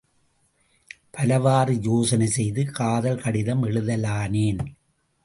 பலவாறு யோசனை செய்து காதல் கடிதம் எழுதலானேன்.